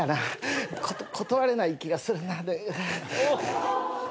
断れない気がするな。